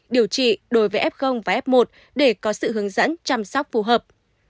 điều trị đối với f và f một để có sự hướng dẫn chăm sóc phù hợp